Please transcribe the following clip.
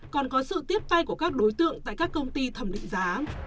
còn có sự tiếp tay của các đối tượng tại các công ty thẩm định giá